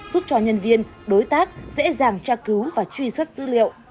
giúp cho nhân viên đối tác dễ dàng tra cứu và truy xuất dữ liệu